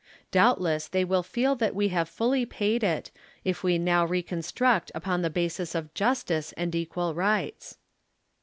Doubtless thej' will feel that we have fully paid it, if we now reconstruct upon the basis of justice and equal rights.